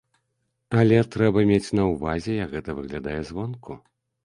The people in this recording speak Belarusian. Але трэба мець на ўвазе, як гэта выглядае звонку.